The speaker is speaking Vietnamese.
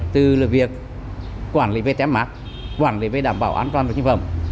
từ việc quản lý về tém mạc quản lý về đảm bảo an toàn sản phẩm